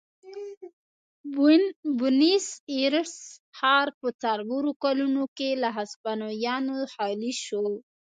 بونیس ایرس ښار په څلورو کلونو کې له هسپانویانو خالي شو.